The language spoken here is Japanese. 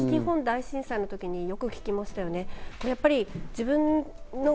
東日本大震災の時に、よく聞きましたね。